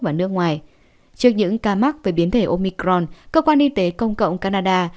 trước những ca mắc về biến thể omicron cơ quan y tế công cộng canada